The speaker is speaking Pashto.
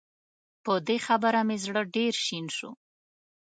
په دې خبره مې زړه ډېر شين شو